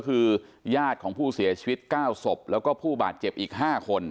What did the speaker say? คือญาติของผู้เสียชีวิต๙ศพแล้วก็ผู้บาดเจ็บอีก๕คน